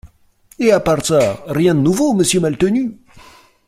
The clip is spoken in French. Et à part ça… rien de nouveau, Monsieur Maltenu ?